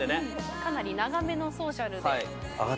かなり長めのソーシャルで。